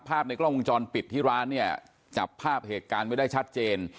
ในกล้องวงจรปิดที่ร้านเนี่ยจับภาพเหตุการณ์ไว้ได้ชัดเจน